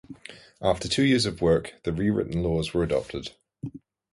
After two years of work, the rewritten laws were adopted.